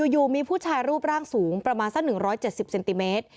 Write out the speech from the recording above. อยู่มีผู้ชายรูปร่างสูงประมาณสัก๑๗๐เซนติเมตร